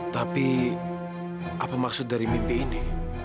tapi apa maksud dari mimpi ini